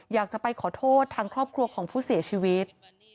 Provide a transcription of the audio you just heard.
อยากจะไปขอโทษทางครอบครัวของผู้เสียชีวิต